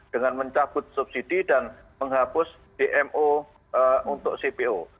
dengan mencabut subsidi dan menghapus dmo untuk cpo